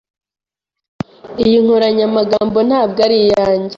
Iyi nkoranyamagambo ntabwo ari iyanjye.